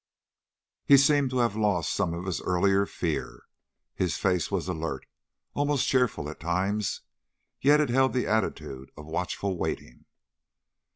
He seemed to have lost some of his earlier fear. His face was alert, almost cheerful at times; yet it held the attitude of watchful waiting.